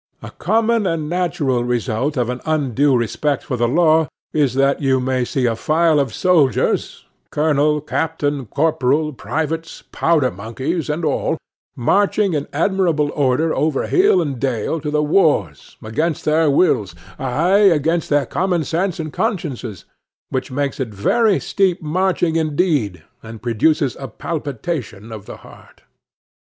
A common and natural result of an undue respect for the law is, that you may see a file of soldiers, colonel, captain, corporal, privates, powder monkeys and all, marching in admirable order over hill and dale to the wars, against their wills, aye, against their common sense and consciences, which makes it very steep marching indeed, and produces a palpitation of the heart.